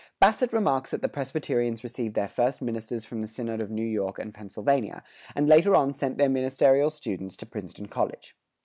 [106:2] Bassett remarks that the Presbyterians received their first ministers from the synod of New York and Pennsylvania, and later on sent their ministerial students to Princeton College.